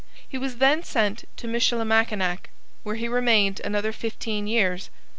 He was then sent to Michilimackinac, Where he remained another fifteen years.